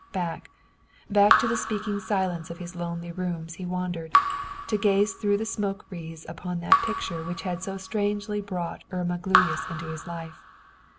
Back, back to the speaking silence of his lonely rooms he wandered, to gaze through the smoke wreaths upon that picture which had so strangely brought Irma Gluyas into his life.